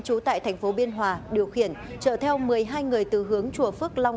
trú tại thành phố biên hòa điều khiển chở theo một mươi hai người từ hướng chùa phước long